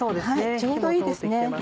ちょうどいいですね。